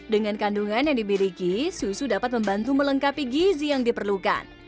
dengan kandungan yang dimiliki susu dapat membantu melengkapi gizi yang diperlukan